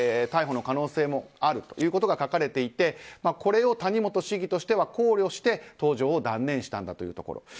逮捕の可能性もあるということが書かれていてこれを谷本市議としては考慮して搭乗を断念したんだというところ。